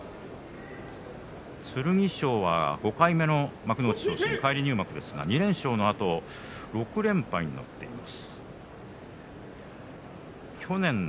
剣翔は５回目の幕内返り入幕ですが２連勝のあと６連敗になっています。